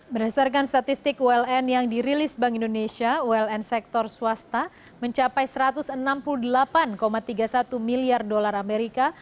berdasarkan statistik uln yang dirilis bank indonesia uln sektor swasta mencapai satu ratus enam puluh delapan tiga puluh satu miliar dolar amerika